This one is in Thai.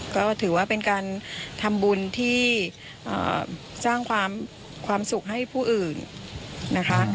ก็ถือว่าเป็นการทำบุญที่สร้างความสุขให้ผู้อื่นนะคะ